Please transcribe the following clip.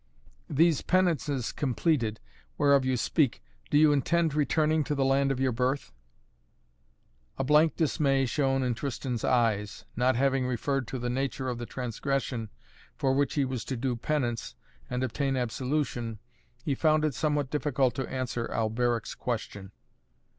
"These penances completed, whereof you speak do you intend returning to the land of your birth?" A blank dismay shone in Tristan's eyes. Not having referred to the nature of the transgression, for which he was to do penance, and obtain absolution, he found it somewhat difficult to answer Alberic's question.